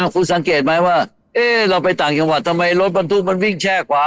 คุณสังเกตไหมว่าเราไปต่างจังหวัดทำไมรถบรรทุกมันวิ่งแช่ขวา